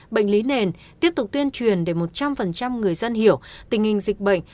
bệnh lý nền tiếp tục tuyên truyền để một trăm linh người dân hiểu tình hình dịch bệnh